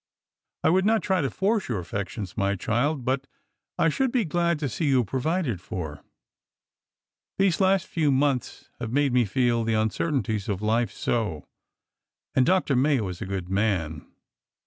I would not try to force your affections, my child; but I should be glad to see you provided for. These last few months have made me feel the uncertainties of life so! And Dr. Mayo is a good man.